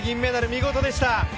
見事でした。